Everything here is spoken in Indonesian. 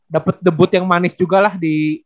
dapet debut yang manis juga lah di